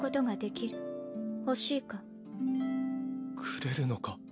くれるのか？